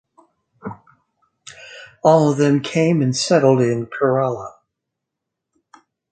All of them came and settled in Kerala.